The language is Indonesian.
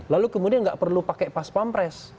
lalu kemudian tidak perlu pakai pas pam pres